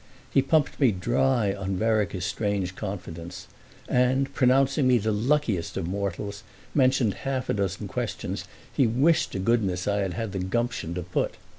He pumped me dry on Vereker's strange confidence and, pronouncing me the luckiest of mortals, mentioned half a dozen questions he wished to goodness I had had the gumption to put.